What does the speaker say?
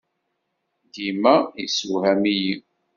Dima yessewham-iyi.